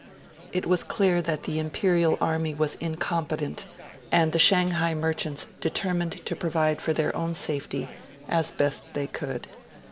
It was clear that the Imperial army was incompetent, and the Shanghai merchants determined to provide for their own safety as best they could.